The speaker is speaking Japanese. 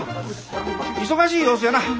忙しい様子じゃな。